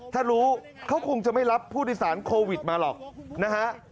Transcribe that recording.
ถ้ารู้เขาคงจะไม่รับผู้โดยสารโควิดมาหรอกนะฮะ